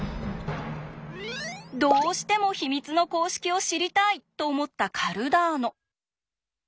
「どうしても秘密の公式を知りたい！」と思ったカルダーノ。